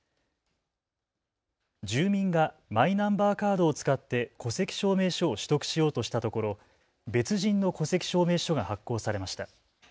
住民がマイナンバーカードを使って戸籍証明書を取得しようとしたところ、別人の戸籍証明書が発行されました。